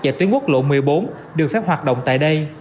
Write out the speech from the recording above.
và tuyến quốc lộ một mươi bốn được phép hoạt động tại đây